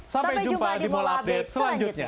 sampai jumpa di mall update selanjutnya